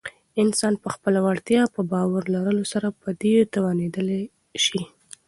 انسان په خپله وړتیا په باور لرلو سره په دې توانیدلی شی